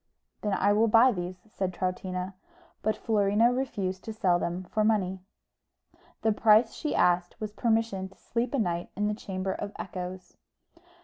"Then I will buy these," said Troutina; but Florina refused to sell them for money: the price she asked was permission to sleep a night in the Chamber of Echoes.